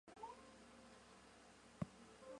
编程语言大致可以分为五个世代。